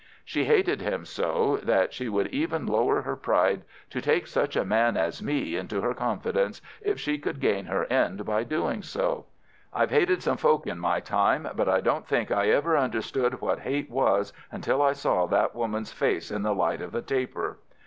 She hated him so that she would even lower her pride to take such a man as me into her confidence if she could gain her end by doing so. I've hated some folk in my time, but I don't think I ever understood what hate was until I saw that woman's face in the light of the taper.